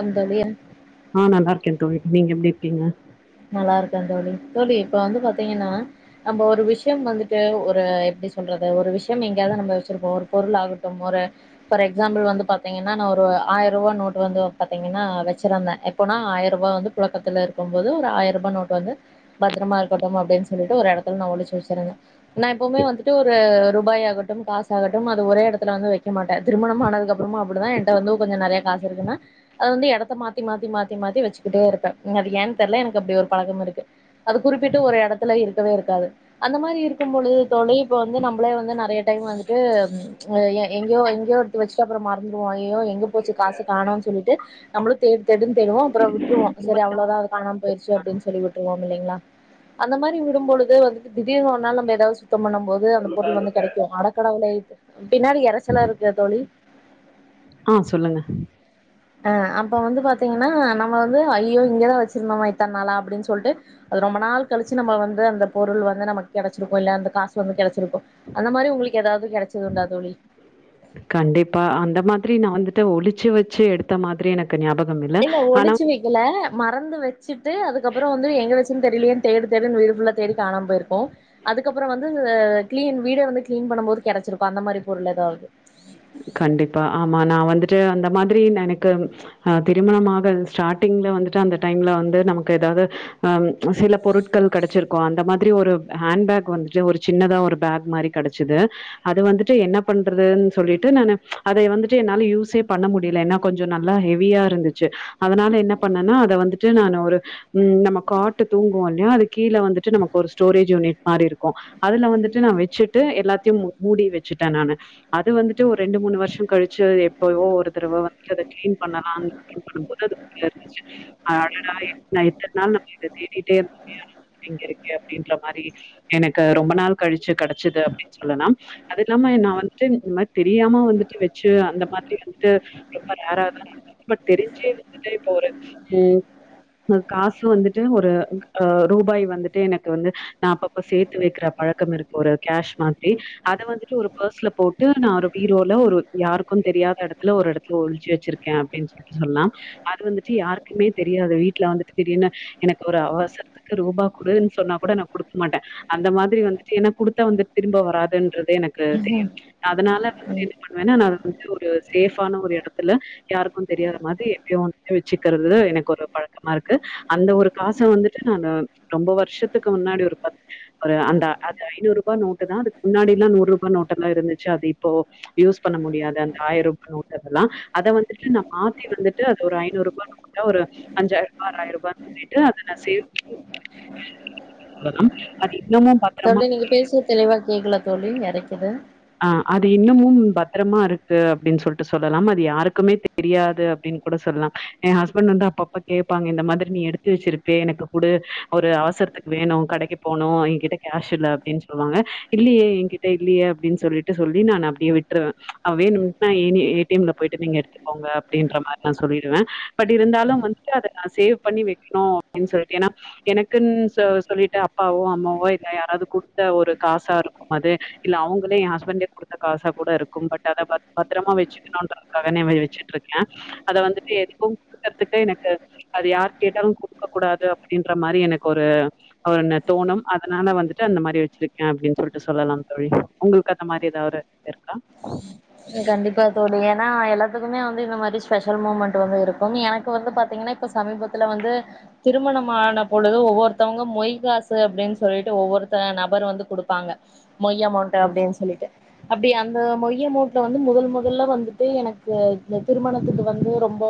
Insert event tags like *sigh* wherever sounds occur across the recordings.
come தோழி நான் நல்லயிருக்கேன் தோழி நீங்க எப்படி இருக்கீங்க நல்லா இருக்கேன் தோழி தோழி இப்ப வந்து பாத்தீங்கன்னா நம்ப ஒரு விஷயம் வந்துட்டு ஒரு எப்படி சொல்றது ஒரு விஷயம் எங்கேயாவது நம்ம வச்சிருக்கோம் ஒரு பொருள் ஆகட்டும் ஒரு ஃபார் எக்ஸாம்பிள் வந்து பாத்தீங்கன்னா நான் ஒரு ஆயிரம் ரூபாய் நோட் வந்து பாத்தீங்கன்னா வச்சிருந்தேன் எப்போனா ஆயிரம் ரூபாய் வந்து பொழக்கத்துல இருக்கும் போது ந்து ஒருஆயிரம் ரூபாய் நோட்டு வந்து பத்திரமா இருக்கட்டும்னு அப்டின்னு சொல்லிட்டு ஒரு இடத்துலே ஒளிச்சி வச்சிருந்தேன் நான் எப்போதுமே வந்துட்டு ஒரு ரூபாய் ஆகட்டும் காசாகட்டும் அத ஒரே இடத்துல வந்து வைக்க மாட்டேன் திருமணமானதுக்கு அப்புறமும் அப்படித்தான் என்கிட்ட வந்து கொஞ்சம் நறையா காசு இருக்குனா அத வந்து இடத்தை மாத்தி மாத்தி மாத்தி மாத்தி வச்சிக்கிட்டே இருப்பேன் அது ஏனு தெர்ல எனக்கு அப்படி ஒரு பழக்கம் இருக்கு அது குறிப்பிட்டு ஒரு இடத்துல இருக்கவே இருக்காது அந்த மாதிரி இருக்கும்போது தோழி இப்போ இந்து நம்மளே நறைய டைம் வந்துட்டு எங்கயோ எங்கயோ எடுத்து வச்சுட்டு அப்புறோம் மறந்துருவோம் எங்க போச்சு காசு காணாம் சொல்லிட்டு நம்மளும் தேடு தேடுன்னு தேடுவோம் அப்புறோம் விட்டுருவோம் செரி அவ்ளோதான் காணாம போயிருச்சு அப்படின்னு சொல்லி விட்டுருவோம் இல்லைங்களா அந்த மாதிரி விடும்பொழுது வந்துட்டு திடீர்னு ஒரு நாள் நம்ம ஏதாவது சுத்தம் பண்ணும் போது அந்த பொருள் வந்து கெடைக்கும் அட கடவுளே பின்னாடி இறச்சலா இருக்குல தோழி ஆ சொல்லுங்க ஆ அப்ப வந்து பாத்தீங்கன்னா நம்ம வந்து ஐய்யோ இங்கதான் வச்சிருந்தோமா இத்தன நாளா அப்படின்னு சொல்லிட்டு அது ரொம்ப நாள் கழிச்சு நம்ம வந்து அந்த பொருள் வந்து நமக்கு கெடைச்சிருக்கும் இல்ல அந்த காசு வந்து கெடைச்சிருக்கும் அந்த மாதிரி உங்களுக்கு ஏதாவது கெடைச்சது உண்டா தோழி கண்டிப்பா அந்த மாதிரி நான் வந்துட்டு ஒளிச்சு வச்சு எடுத்த மாதிரி எனக் இல்ல ஒளிச்சு வைக்கல மறந்து வச் சுட்டு அதுக்கப்புறோம் வந்து எங்க வச் தெரியலே தேடு தேடுன்னு தேடி வீடு ஃபுல்லா தேடி காணாம போயிருக்கும் அதுக்கப்புறோம் வந்து களீன் வீடே வந்து கிளீன் பண்ண போது கெடைச்சிருக்கும் அந்த மாதிரி பொருள் ஏதாவது கண்டிப்பா ஆமா நான் வந்துட்டு அந்த மாதிரி எனக்கு அ திருமணமாக ஸ்டார்டிங்ல வந்துட்டு அந்த டைம்ல வந்து நமக்கு ஏதாவது அ சில பொருட்கள் கெடைச்சிருக்கும் அந்த மாதிரி ஒரு ஹேண்ட்பேக் வந்துட்டு ஒரு சின்னதா ஒரு பேக் மாதிரி கெடைச்சிது அது வந்துட்டு என்ன பண்றது சொல்லிட்டு நானு அதை வந்துட்டு என்னால யூஸே பண்ண முடியல ஏன்னா கொஞ்சம் நல்லா ஹெவியா இருந்துச்சு அதனால என்ன பண்ணேன்னா அதை வந்துட்டு நான் ஒரு ம் நம்ம காட்டு தூங்குவோம் இல்லையா அது கீழ வந்துட்டு நமக்கு ஒரு ஸ்டோரேஜ் யூனிட் மாரி இருக்கும் அதுல வந்துட்டு நான் வச்சுட்டு எல்லாத்தையும் மூடி வச்சுட்டேன் நானு அது வந்துட்டு ஒரு ரெண்டு மூணு வருஷம் கழிச்சு எப்போ ஒரு தடவை வந்துட்டு அதை கிளீன் பண்ணலாம் பண்ணும்போது அது இருந்துச்சு என்னடா எத்தனை நாள் நம்ம இத தேட்டிட்டே இருந்தோமே அப்படின்ற மாதிரி எனக்கு ரொம்ப நாள் கழிச்சு கெடைச்சுது அப்படின்னு சொல்லலாம் அது இல்லாம நான் வந் துட்டு இந்த மாரி தெரியாம வந்து வச்சு அந்த மாதிரி வந்துட்து ரொம்ப ரேர்ரா தான் தெரிஞ்சே வந்து இப்ப ஒரு காசு வந்துட்டு ரூபாய் வந்து எனக்கு வந்து நான் அப்பப்ப சேர்த்து வைக்கிற பழக்கம் இருக்கு ஒரு கேஷ் மாதிரி அத வந்துட்டு ஒரு பர்ஸ்ல போட் ட்டு நான் ஒரு பீரோல ஒரு யாருக்கும் தெரியாத இடத்துல ஒரு இடத்துல ஒழிச்சி வச்சிருக்கேன் அப்படின்னு சொல்லிட்டு சொல்லாம் அது வந்துட்டு யாருக்குமே தெரியாது வீட்டுல வந்துட்டு திடீர்னு எனக்கு ஒரு அவசரத்துக்கு ரூபா குடுன்னு சொன்னா கூட நான் குடுக்க மாட்டேன் அந்த மாதிரி வந்துட்டு ஏன்ன குடுத்தா வந்துட்டு திரும்ப வராதுன்றது எனக் கு ம் தெரியும் அதனால வந்து ம் என்ன பண்ணுவேன்னா நான் வந்து ஒரு சேஃபான ஒரு இடத்துல யாருக்கும் தெரியாத மாதிரி எப்பயோ வந்து வச்சுக்கிறது எனக்கு ஒரு பழக்கமா இருக்கு அந்த ஒரு காசும் வந்துட்டு நான் ரொம்ப வருஷத்துக்கு முன்னாடி ஒருக்கா அந்த அது ஐநூறு ரூபாய் நோட்டு தான் அதுக்கு முன்னாடி எல்லாம் நூறு ரூபா நோட்டா எல்லாம் இருந்துச்சி ஷாதீப்போ யூஸ் பண்ண முடியாது அந்த ஆயிரூபா நோட்ட எல்லா அத வந்துட்டு நா மாத்தி வந்துட்டு அது ஒரு ஐநூறு ரூபா நோட்ட ஒரு அஞ்சாயிரரூபாய் ஆறாயிரரூபானு சொல்லிட்டு அத நா சேத்து வச்சிருக்க *inaudible* தம்பி நீங்க பேசு தெளிவா கேக்கல தோழி எறைக்குது ஆ அது இன்னமும் பத்ரமாருக்கு அப்டின் சொல்ட்டு சொல்லலாம் அது யாருக்குமே தெரியாது அப்டின் கூட சொல்லலாம் எ ஹஸ்பண்ட் வந்து அப்பப்ப கேபாங்க இந்த மாதிரி நீ எடுத்து வச்சிருப்பே எனக்கு குடு ஒரு அவசரத்துக்கு வேணும் கடைக்கு போணும் என்கிட்ட கேஷ் இல்ல அப்டின் சொல்வாங்க இல்லியே எங்கிட்ட இல்லியே அப்டின் சொல்லிட்டு சொல்லி நா அப்டியே விட்ருவ அவா வேணுட்னா ஏணி ஏ டி எம் ல போய்ட்டு நீங்க எடுத்துக்கோங்க அப்டின்ற மாரி நா சொல்லிடுவ பட் இருந்தாலும் வந்துட்டு அத நா சேவ் பண்ணி வெக்கிணு அப்டின் சொல்லிட்டு எனா எனக்குன் சொல்லிட்டு அப்பாவோ அம்மாவோ இல்ல யாராது குடுத்த ஒரு காசாருக்கும் அது இல்ல அவுங் குளே எ ஹஸ்பண்டே குடுத்த காசா கூட இருக்கும் பட் அத பத் பத்ரமா வச்சுக்கணும்ன்றதுக்காகனே வச்சுட் இருக்க அத வந்துட்டு எதுக்கும் குடுக்கறதுக்கு எனக்கு அது யார் கேட்டாலும் குடுக்க கூடாது அப்டின்ற மாரி எனக் ஒரு ஒன்னு தோணும் அதனால வந்துட்டு அந்த மாரி வச்சிருக்க அப்டின்னு சொல்ட்டு சொல்லலாம் தோழி உங்ளுக்கு அந்த மாரி எதா ஒரு இருக்கா கண்டிப்பா தோழி எனா எல்லாத்துக்குமே வந்து இந்த மாரி ஸ்பெஷல் மூமெண்டு வந்து இருக்கும் எனக்கு வந்து பாத்தீங்கன்னா இப்ப சமீபத்துல வந்து திருமணம் ஆன பொழுது ஒவ்வொருத்தவங்க மொய் காசு அப்டின் சொல்லிட்டு ஒவ்வொருத்த நபர் வந்து குடுப்பாங்க மொய் அமௌண்ட்டு அப்டின் சொல்லிட்டு அப்டி அந்த மொய் அமௌண்ட் இதுல வந்து முதல் முதல்ல வந்துட்டு எனக்கு இந்த திருமணத்துக்கு வந்து ரொம்ப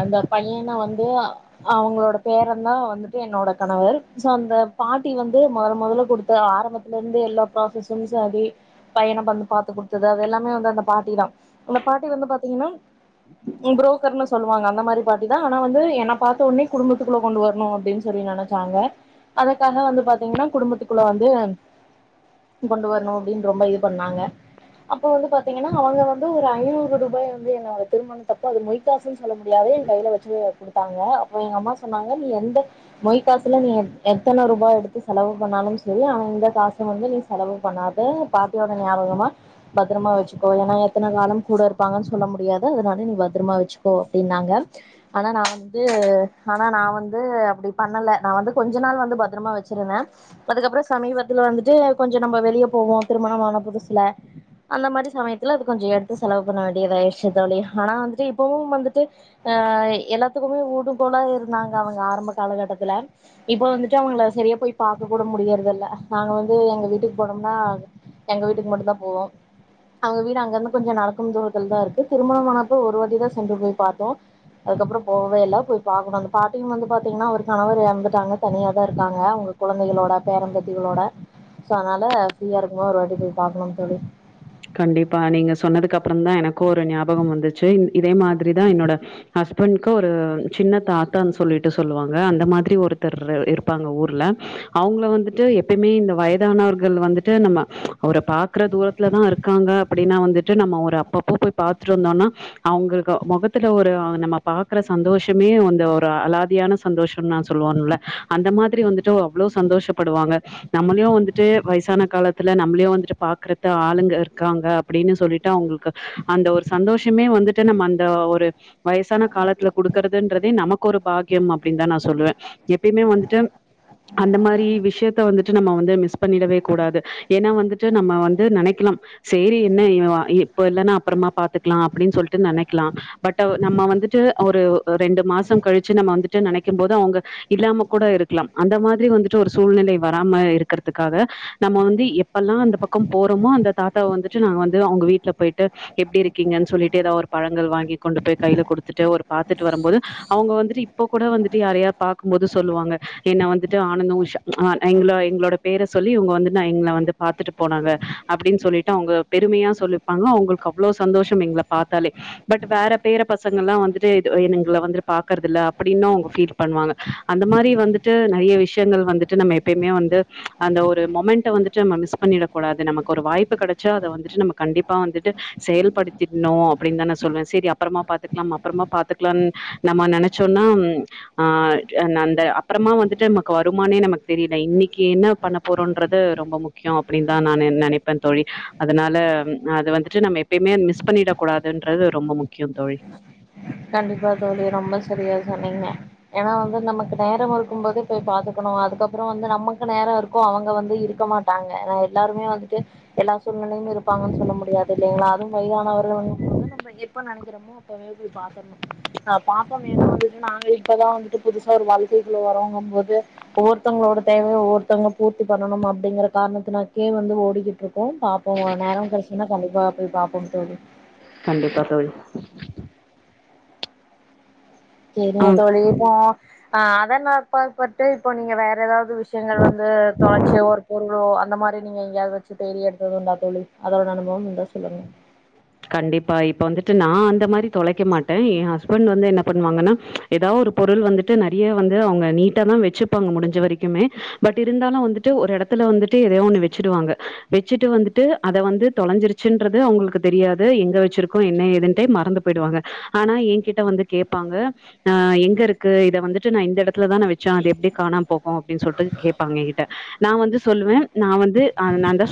அந்த பையன வந்து அ அவுங்ளோட பேரன் தா வந்துட்டு என்னோட கணவர் சோ அந்த பாட்டி வந்து மருமகளுக்கு குடுத்த ஆரம்பத்துல இருந்தே எல்லா ப்ராசஸஸும் செரி பையன வந்து பாத்து குடுத்தது அதெல்லா அதுவு அந்தந்த பாட்டி தா அந்த பாட்டி வந்து பாத்தீங்கனா ப்ரோக்கர்னு சொல்லுவாங்க அந்த மாரி பாட்டி தா ஆனா வந்து என பாத்த ஒன்னே குடும்பத்துக்குள்ள கொண்டு வர்னு அப்டின் சொல்லி நெனச் சாங்க அதுக்காக வந்து பாத்திங்கனா குடும்பத்துக்குள்ள வந்து நீ கொண்டு வரணும் அப்டின் ரொம்ப இது பண்ணாங்க இப்போ வந்து பாத்தீங்கன்னா அவுங்க வந்து ஒரு ஐநூறு ரூபாய வந்து என்னோட திருமணத்தப்போ அது மொய் காசுனு சொல்ல முடியாது எ கைல வச்சி குடுத்தாங்க அப்போ எங்கம்மா சொன்னாங்க நீ எந்த மொய் காசுல நீ எத்தன ரூபா எடுத்து செலவு பண்ணாலும் செரி அவுங்க இந்த காச வந்து நீ செலவு பண்ணாத பாட்டியோட நியாபகமா பத்திரமா வச்சுக்கோ ஏனா எத்தன காலம் கூட இருப்பாங்கன்னு சொல்ல முடியாது அதனால நீ பத்ரமா வச்சுக்கோ அப்டின்னாங்க ஆனா நா வந்து ஆனா நா வந்து அப்டி பண்ணல நா வந்து கொஞ்ச நாள் வந்து பத்ரமா வச்சிருந்த அதுக்கப்பற சமீபத்துல வந்துட்டு கொஞ்ச நம்ம வெளிய போவோ திருமணமான புதுசுல அந்த மாரி சமயத்துல அது கொஞ்சோ எடுத்து செலவு பண்ண வேண்டியதாயிடுச்சு தோழி ஆனா வந்துட்டு இப்வும் வந்துட்டு அ எல்லாத்துக்குமே ஊடும் போல இருந்தாங்க அவுங்க ஆரம்ப காலகட்டத்துல இப்போ வந்துட்டு அவுங்கள செரியா போய் பாக்க கூட முடியறது இல்ல நாங்க வந்து எங்க வீட்டுக்கு போனோம்னா எங்க வீட்டுக்கு மட்டும் தா போவோ அவங்க வீடு அங்க இருந்து கொஞ்சோ நடக்கும் தூரத்தில் தா இருக்கு திருமண ஆனப்போ ஒரு வாட்டி தா சென்று போய் பாத்தோ அதுக்கப்பற போவவே இல்ல போய் பாக்கணு அந்த பாட்டியும் வந்து பாத்தீங்னா அவர் கணவர் எறந்துடாங்க தனியா தா இருக்காங்க அவுங்ளுக் கொழந்தைகளோட பேரம்பேத்திகளோட சோ அதனால ஃப்ரீயா இருக்கும் போது ஒரு வாட்டி போய் பாக்னு தோழி கண்டிப்பா நீங்க சொன்னதுக்கு அப்றோ தா எனக்கு ஒரு ஞாபகம் வந்துச்சு இதே மாரி தா என்னோட ஹஸ்பண்டுக்கு ஒரு சின்ன தாத்தான்னு சொல்லிட்டு சொல்லுவாங்க அந்த மாரி ஒருத்தர் இருப்பாங்க ஊர்ல அவுங்கள வந்துட்டு எப்பயுமே இந்த வயதானவர்கள் வந்துட்டு நம்ம அவர பாக்குற தூரத்துலதா இருக் காங்க அப்டினா வந்துட்டு நம்ம ஒரு அப்பப்போ போய் பாத்துட்டு இருந்தோனா அவுங்ளுக்கு முகத்துல ஒரு நம்ம பாக்குற சந்தோஷமே வந்து ஒரு அலாதியான சந்தோஷம்னா சொல்லுவோம்ல அந்த மாரி வந்துட்டு அவ்ளோ சந்தோஷப்படுவாங்க நம்ளியு வந்துட்டு வயசான காலத்துல நம்ளியு வந்துட்டு பாக்றத ஆளுங்க இருக்காங்க அப்டினு சொல்லிட்டு அவுங்ளுக்கு அந்த ஒரு சந்தோஷமே வந்துட்டு நம்ம அந்த ஒரு வயசான காலத்துல குடுக்கறதுன்றதே நமக்கு ஒரு பாக்கியம் அப்டின்னு தா நா சொல்லுவ எப்பயுமே வந்துட்டு அந்த மாரி விஷ்யத்த வந்துட்டு நம்ம வந்து மிஸ் பண்ணிடவே கூடாது ஏனா வந்துட்டு நம்ம வந்து நெனைக்கலாம் செரி என்ன இவ வா இப் இல்லனா அப்பறமா பாத்துக்லா அப்டின் சொல்ட்டு நெனைக்லா பட்ட நம்ம வந்துட்டு ஒரு ரெண்டு மாசம் கழிச்சு நம்ம வந்துட்டு நெனைக்கும் போது அவுங்க இல்லாம கூட இருக்லம் அந்த மாதிரி வந்துட்டு ஒரு சூழ்நிலை வராம இருக்கறதுக்காக நம்ம வந்து எப்பெல்லா அந்த பக்கம் போறோமோ அந்த தாத் தாவ வந்துட்டு நாங்க வந்து அவுங்க வீட்ல போய்ட்டு எப்டி இருக்கீங்கன்னு சொல்லிட்டு ஏதோ ஒரு பழங்கள் வாங்கி கொண்டு போய் கைல குடுத்துட்டு ஒரு பாத்துட்டு வரும் போது அவுங்க வந்துட்டு இப்போ கூட வந்துட்டு யாரயா பாக்கும் போது சொல்லுவாங்க என்ன வந்துட்டு ஆனந்தோ உஷா ஆ எங்ளோ எங்ளோட பேரை சொல்லி இவுங்க வந்து நா எங்ள வந்து பாத்துட்டு போனாங்க அப்டின்னு சொல்லிட் டு அவுங்க பெருமையா சொல்லிப்பாங்க அவுங்ளுக் அவ்ளோ சந்தோஷம் எங்கள பாத்தாலே பட் வேற பேர பசங்கள்லா வந்துட்டு இதோ என்னுங்கள வந்துரு பாக்றதில்ல அப்டினு அவுங்க ஃபீல் பண்வாங்க அந்த மாரி வந்துட்டு நறைய விஷ்யங்கள் வந்துட்டு நம்ம எப்பயமே வந்து அந்த ஒரு மொமெண்ட வந்துட்டு நம்ம மிஸ் பண்ணிடா கூடாது நமக்கு ஒரு வாய்ப்பு கெடைச் சா அத வந்துட்டு நம்ம கண்டிப்பா வந்துட்டு செயல்படுத்திட்ணு அப்டின்னு தா நா சொல்லுவ செரி அப்றமா பாத்துக்லா அப்றமா பாத்துக்லானு நம்ம நெனைச்சோனா ஆ அந்த அப்றமா வந்துட்டு நமக்கு வருமானே நமக்கு தெரில இன்னிக்கு என்ன பண்ண போறோன்றது ரொம்ப முக்யோ அப்டின் தா நா நெனைப்ப தோழி அதனால அது வந்துட்டு நம்ம எப்பய்மே மிஸ் பண்ணிடக் கூடாதுன்றது ரொம்ப முக்கியம் தோழி கண்டிப்பா தோழி ரொம்ப செரியா சொன்னீங்க ஏனா வந்து நமக்கு நேரோ இருக்கும் போது போய் பாத்துக்கணும் அதுக்கப்றோ வந்து நமக்கு நேரோ இருக்கும் அவுங்க வந்து இருக்க மாட்டாங்க ஆ எல்லாருமே வந்துட்டு எல்லா சூழ்நிலையும் இருப்பாங்கன்னு சொல்ல முடியாது இல்லிங்ளா அதுவு வயதானவர்கள் என்னும் போது நம்ம எப்ப நெனைக்கிறமோ அப்பமே போய் பாத் ஆ பாப்போ ஏனோ வந்துட்டு நாங்க இப்பதா வந்துட்டு புதுசா வாழ்கைக்குள்ள வரோங்கும் போது ஒவ்வொருத்தங்களோட தேவையு ஒவ்வொருத்த பூர்த்தி பண்ணணு அப்டிங்ற காரணாதாகே வந்து ஓடிக்கிட்ருக் போ பாப்போ நேரோ கெடச்சுன்னா கண்டிப்பா போய் பாப்போ தோழி கண்டிப்பா தோழி இருங்க ஆஹ் தோழி இப்போ ஆ அதனாப்பப்பட்டு இப்போ நீங்க வேற ஏதாது இந்த விஷயங்கள் வந்து தொடர்ச்சியா ஒரு பொருளோ அந்த மாரி நீங்க எங்காயது வச்சு தேடி எடுத்தது உண்ட அதோட அனுபவம் உண்டு கண்டிப்பா இப்ப வந்துட்டு நா அந்த மாரி தொலைக்க மாட் ட்டே எ ஹஸ்பண்ட் வந்து என்ன பண்ணுவாங்கன்னா ஏதா ஒரு பொருள் வந்துட்டு நெறைய வந்து அவங்க நீட்டா தா வச்சுப்பாங்க முடிஞ்ச வரைக்குமே பட் இருந்தாலும் வந்துட்டு ஒரு எடத்துல வந்துட்டு எதயோ ஒன்னு வச்சுருவாங்க வச்சுட்டு வந்துட்டு அத வந்து தொலைஞ்சிருச் வச்சின்றது அவங்களுக்கு தெரியாது எங்க வச்சிருக்கோ என்ன ஏதுன்ட்டே மறந்து போயிடுவாங்க ஆனா எகிட்ட வந்து கேப்பாங்க அ எங்க இருக்கு இத வந்துட்டு நா இந்த எடத்துல தா நா வச்சே அத எப்டி காணாம போக அப்டின்னு சொல்லிட்டு கோங்க என்கிட்ட நா வந்து சொல்லுவே நா வந்து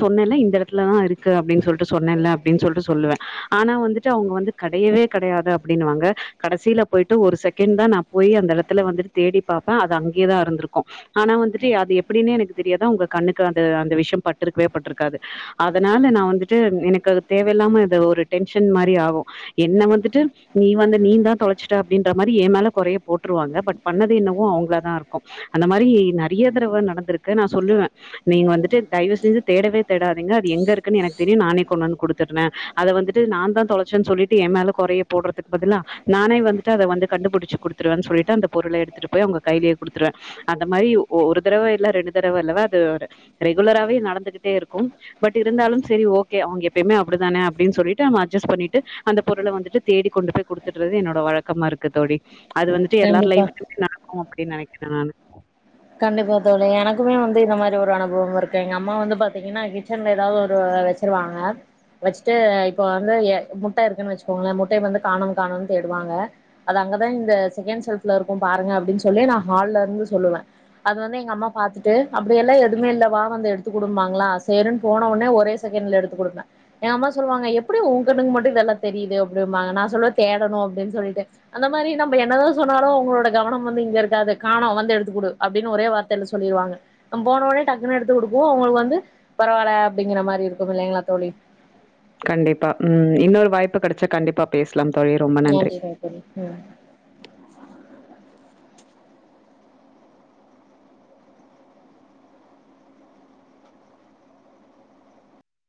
சொன்னேல்ல இந்த எடத்துலதா இருக்கு அப்டின்னு சொல்லிட்டு சொன்னேன்ல அப்டின்னு சொல்லுவே ஆனா வந்துட்டு அவுங்க வந்து கெடையவே கெடையாது அப்டின்னுவாங்க கடைசில போய்ட்டு ஒரு செகண்டு தா நா போய் அந்த எடத்துல வந்து தேடி பாப்பே அது அங்கேயே இருந்திருக்கு ஆனா வந்துட்டு அது எப்பிடினே எனக்கு தெரியாது அவுங்க கண்ணுக்கு அத அந்த விஷய பட்ருக்கவே பட்ருக்காது அதனால நா வந் ட்டு எனக்கு அது தேவயில்லாம ஒரு டென்ஷன் மாரி ஆகு என்ன வந்துட்டு நீ வந்து நீ தான் தொலைச்சுட்ட அப்படின்ற மாதிரி ஏ மேல குறைய போட்டுருவாங்க பட் பண்ணது என்னும் அவங்கள தான் இருக்கும் அந்த மார்ரி நெறைய தடவ நடந்திருக்கு நா சொல்லுவேன் நீங்க வந்துட்டு தயவு செஞ்சு தேடவே தேடாதீங்க அது எங்க இருக்குன்னு எனக் தெரியு நானே கொண்டு வந்து குடுத்துரே அத வந்துட்டு நா தா தொலைச்சன் சொல்லிட்டு ஏ மேல குறைய போடுறதுக்கு பதிலா நானே வந்துட்டு அத வந்து கண்டுபிடிச்சு குடுத்துருவேன்னு சொல்லிட்டு அந்த பொருள எடுத்துட்டு போய் அவங்க கையிலயே குடுத்துருவே அந்த மாரி ஒரு தடவ இல்ல ரெண்டு தடவ இல்லவ அது ரெகுலரவே நடந்துகிட்டே இருக்குற பட் இருந்தாலு செரி ஓகே அவுங்க எப்பயுமேப்படிதானே அப்டின்னு சொல்லிட்டு நம்ம அட்ஜஸ்ட் பண்ணிட்டு அந்த பொருள வந்துட்டு தேடி கொண்டு போய் குடுத்துட்டுறது என்னோட வழக்கமா இருக்கு தோழி அது வந்துட்டு எல்லார் கண்டிப்பா லைஃப்ல நடக்கு அப்பிடி நெனைக்கிறே நானு கண்டிப்ப தோழி எனக்குமே வந்து இந்த மாரி ஒரு அனுபவம் இருக்கு எங்க அம்மா வந்து பாத்தீங்கன்னா கிச்சன்ல ஏதாது ஒரு வச்சுருவாங்க வச்சுட்டு இப்ப வந்து முட்ட இருக்குன்னு வச்சுக்கோங்களே முட்டய வந்து காணும் காணம்னு தேடுவாங்க அது இங்கதா இந்த செகண்ட் செல்ப்ஃல இருக்கு பாருங்க அப்டின்னு சொல்லி நா ஹால்ல இருந்து சொல்லுவே அது வந்து எங்க அம்மா பாத்துட்டு அப்டியெல்லா எதுமே இல்ல வ வந்து எடுத்துக்குடும்பாங்களா சேருன்னு போன உனே ஒரே செகண்ட்ல எடுத்துக் குடுப்பே எங்க அம்மா சொல்லுவாங்க எப்புடி உ மட்டு இதெல்லா தெரியுது அப்புடிம்பாங்க நா சொல்லுவ தேடணும் அப்புடின்னு சொல்லிட்டு அந்த மாரி நம்ம என்னதா சொன்னாலு அவங்களோட கவனம் வந்து இங்க இருக்காது காணோ வந்து எடுத்துக்குடு அப்டின்னு ஒரே வார்த்தையில சொல்லிருவாங்க நம்ம போன உடனே டக்குனு எடுத்து குடுப்போ அவங்களுக்கு வந்து பரவால அப்டிங்கிற மாரி இருக்கு இல்லைங்கல தோழி கண்டிப்பா ம் இன்னொரு வாய்ப்பு கெடச்சா கண்டிப்பா பேச நன்றி மக்களே ம்